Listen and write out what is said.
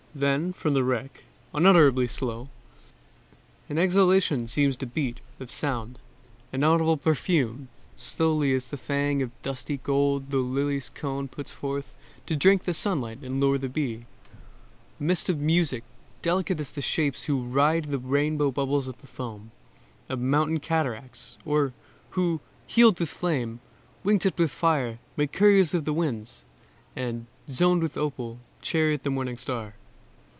Then from the wreck, unutterably slow, An exhalation seems to beat, of sound, An audible perfume; slowly as the fang Of dusty gold the lily's cone puts forth To drink the sunlight and to lure the bee: A mist of music, delicate as the shapes Who ride the rainbow bubbles of the foam Of mountain cataracts; or, who, heeled with flame, Wing tipped with fire, make couriers of the winds, And, zoned with opal, chariot the morning star.